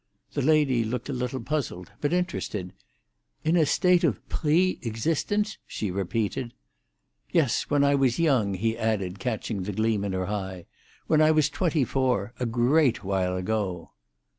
The lady looked a little puzzled, but interested. "In a state of prhe existence?" she repeated. "Yes; when I was young," he added, catching the gleam in her eye. "When I was twenty four. A great while ago."